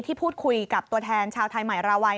พูดคุยกับตัวแทนชาวไทยใหม่ราวัย